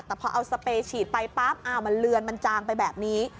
แต่พอเอาสเปรย์ฉีดไปปั๊บอ้าวมันเลือนมันจางไปแบบนี้